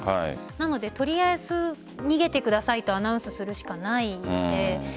なのでとりあえず逃げてくださいとアナウンスするしかないので。